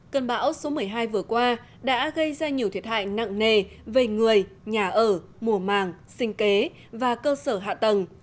cơn bão số một mươi hai vừa qua đã gây ra nhiều thiệt hại nặng nề về người nhà ở mùa màng sinh kế và cơ sở hạ tầng